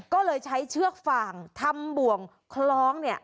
ก็เลยใช้เชือกฟางทำบ่วงคล้องเนี่ย